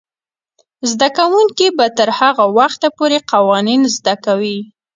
زده کوونکې به تر هغه وخته پورې قوانین زده کوي.